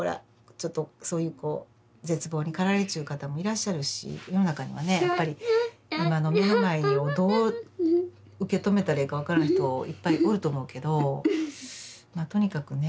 ちょっとそういうこう絶望に駆られちゅう方もいらっしゃるし世の中にはねやっぱり今の目の前をどう受け止めたらええか分からん人いっぱいおると思うけどとにかくね